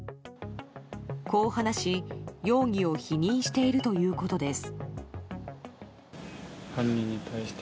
こう話し、容疑を否認しているということです。